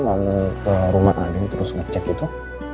mau ke rumah adik terus ngecek gitu